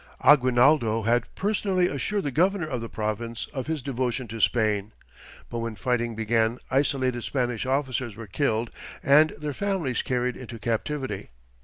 Aguinaldo had personally assured the governor of the province of his devotion to Spain, but when fighting began isolated Spanish officers were killed and their families carried into captivity.